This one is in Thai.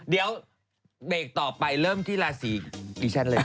เดี๋ยวเบรกต่อไปเริ่มที่ราศีดิฉันเลย